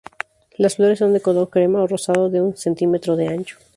Las flores son de color crema o rosado de un cm de ancho.